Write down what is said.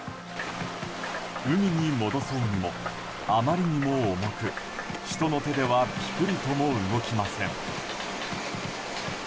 海に戻そうにも、あまりに重く人の手ではピクリとも動きません。